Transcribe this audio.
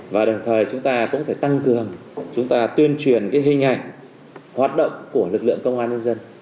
và đồng thời chúng ta cũng phải tăng cường chúng ta tuyên truyền hình ảnh hoạt động của lực lượng công an nhân dân